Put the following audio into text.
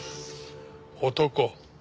男。